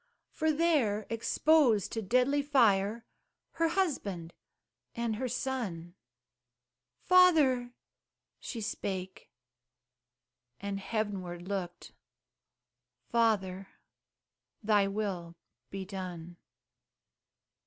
For there, exposed to deadly fire, Her husband and her son "Father," she spake, and heavenward looked, "Father, thy will be done."